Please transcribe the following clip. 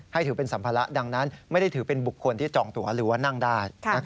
ถือเป็นสัมภาระดังนั้นไม่ได้ถือเป็นบุคคลที่จองตัวหรือว่านั่งได้